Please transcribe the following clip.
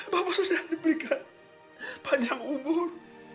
bapak saja diberikan panjang umur